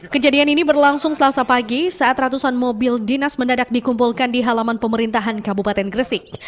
kejadian ini berlangsung selasa pagi saat ratusan mobil dinas mendadak dikumpulkan di halaman pemerintahan kabupaten gresik